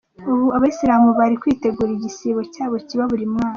Ubu abayisilamu bari kwitegura igisibo cyabo kiba buri mwaka.